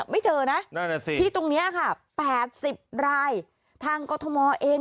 ไม่เจอนะที่ตรงนี้๘๐รายทางกรทมเอง